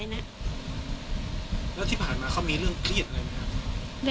จน๘โมงเช้าวันนี้ตำรวจโทรมาแจ้งว่าพบเป็นศพเสียชีวิตแล้ว